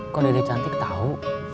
kok dede cantik tau